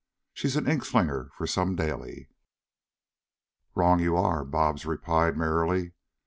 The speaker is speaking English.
She's an ink slinger for some daily." "Wrong you are," Bobs merrily replied.